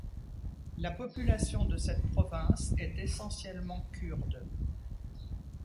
La population de cette province est essentiellement kurde.